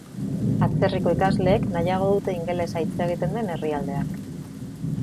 Atzerriko ikasleek nahiago dute ingelesa hitz egiten den herrialdeak.